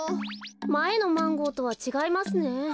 まえのマンゴーとはちがいますね。